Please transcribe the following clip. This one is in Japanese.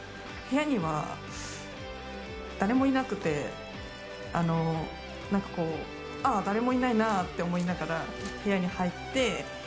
部屋には誰もいなくて、なんかこう、ああ、誰もいないなって思いながら、部屋に入って。